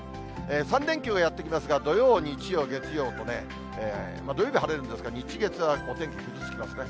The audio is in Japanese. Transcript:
３連休がやって来ますが、土曜、日曜、月曜とね、土曜日晴れるんですが、日、月はお天気ぐずつきますね。